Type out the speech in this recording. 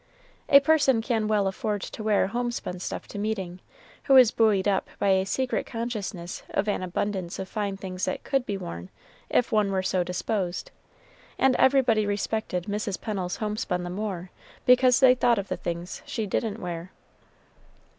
A person can well afford to wear homespun stuff to meeting, who is buoyed up by a secret consciousness of an abundance of fine things that could be worn, if one were so disposed, and everybody respected Mrs. Pennel's homespun the more, because they thought of the things she didn't wear.